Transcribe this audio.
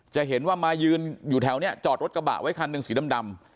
จะเห็นว่ามายืนอยู่แถวนี้จอดรถกระบะไว้คันหนึ่งสีดำ